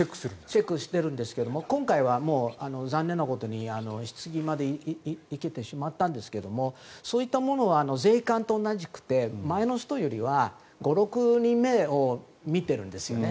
チェックをしているんですが今回は残念なことに、ひつぎまで行けてしまったんですけどそういったものは税関と同じく前の人よりは５６人目を見てるんですよね。